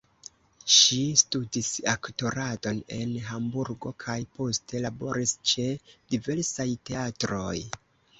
Ŝi studis aktoradon en Hamburgo kaj poste laboris ĉe diversaj teatroj.